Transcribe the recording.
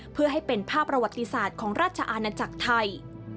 เพื่อให้เป็นภาพประวัติศาสตร์ของราชอาณาจักรไทย